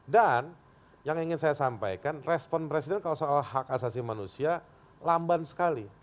dan yang ingin saya sampaikan respon presiden soal hak asasi manusia lamban sekali